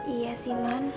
iya sih non